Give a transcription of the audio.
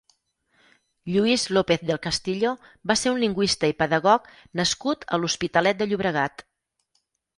Lluís López del Castillo va ser un lingüista i pedagog nascut a l'Hospitalet de Llobregat.